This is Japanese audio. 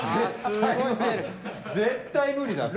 絶対無理だって。